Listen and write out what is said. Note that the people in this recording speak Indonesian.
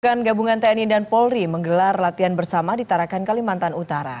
pekan gabungan tni dan polri menggelar latihan bersama di tarakan kalimantan utara